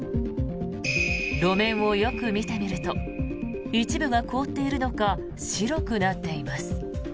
路面をよく見てみると一部が凍っているのか白くなっています。